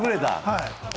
はい。